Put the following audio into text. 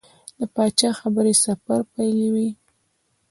د پاچا خبرې سفر پیلوي.